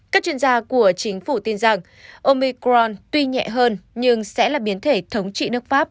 các chuyên gia của chính phủ tin rằng omicron tuy nhẹ hơn nhưng sẽ là biến thể thống trị nước pháp